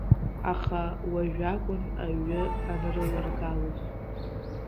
Аха уажәакәын аҩы анрыларгалоз.